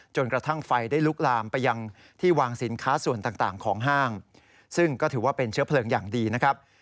จนกระทั่งไฟได้ลุกลามไปยังที่วางสินค้าส่วนต่างของห้างซึ่งก็ถือว่าเป็นเชื้อเพลิงอย่างดีนะครับ